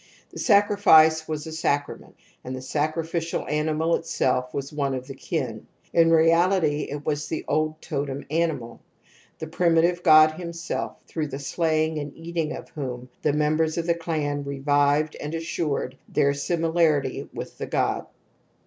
The sacrifice was a sacrament, and the sacrificial animal itself was one of the kin* In reality it was the old totem animal, the primitive god himself through the slaying and eating of whom the members of 280 TOTEM AND TABOO the clan revived and assured their similarity with the god.